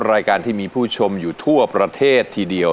รายการที่มีผู้ชมอยู่ทั่วประเทศทีเดียว